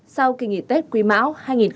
sau kỳ nghỉ tết quý mão hai nghìn hai mươi